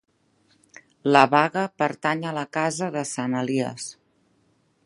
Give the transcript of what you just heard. La Baga pertany a la casa de Sant Elies.